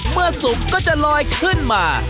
สุกก็จะลอยขึ้นมา